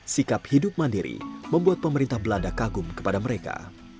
sikap hidup mandiri membuat pemerintah belanda kagum kepada mereka